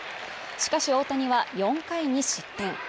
しかし大谷は４回に失点